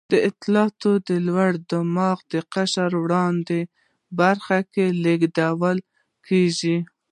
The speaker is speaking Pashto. دا اطلاعات د لوی دماغ د قشر اړوندو برخو ته لېږدول کېږي.